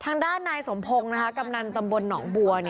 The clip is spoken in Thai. ทางด้านนายสมพงศ์กำนันตำบลหนองบัว